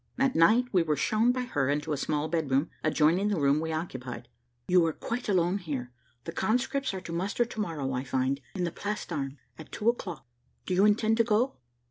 At night we were shown by her into a small bedroom, adjoining the room we occupied. "You are quite alone here: the conscripts are to muster to morrow, I find, in the Place d'Armes, at two o'clock: do you intend to go?"